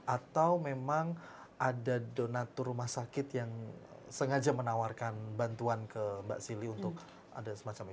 atau memang ada donatur rumah sakit yang sengaja menawarkan bantuan ke mbak sili untuk ada semacam itu